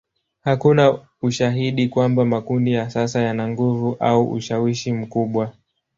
Hakuna ushahidi kwamba makundi ya sasa yana nguvu au ushawishi mkubwa.